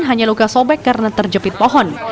hanya luka sobek karena terjepit pohon